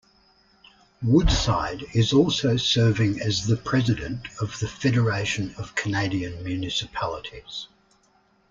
Woodside is also serving as the President of the Federation of Canadian Municipalities.